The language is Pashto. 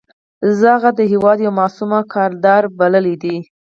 زه هغه د هېواد یو معصوم کادر بللی دی.